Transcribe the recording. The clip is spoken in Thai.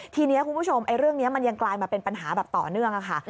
ทีนี้คุณผู้ชมเรื่องนี้มันยังกลายมาเป็นปัญหาแบบต่อเนื่องค่ะ